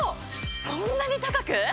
そんなに高く？